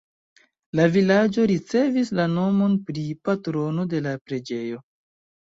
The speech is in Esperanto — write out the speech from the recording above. La vilaĝo ricevis la nomon pri patrono de la preĝejo.